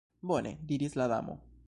"Bone," diris la Damo.